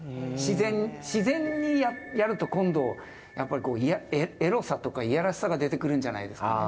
自然にやると今度やっぱりエロさとかいやらしさが出てくるんじゃないですかね